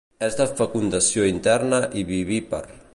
És de fecundació interna i vivípar.